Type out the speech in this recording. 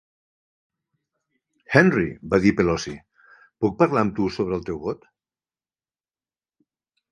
'Henry', va dir Pelosi, 'puc parlar amb tu sobre el teu vot?